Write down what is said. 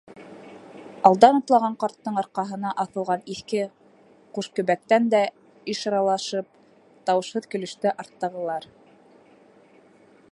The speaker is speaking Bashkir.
Алдан атлаған ҡарттың арҡаһына аҫылған иҫке ҡушкөбәктән дә ишаралашып, тауышһыҙ көлөштө арттағылар.